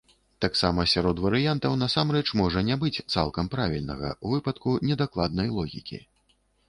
Таксама сярод варыянтаў насамрэч можа не быць цалкам правільнага ў выпадку недакладнай логікі.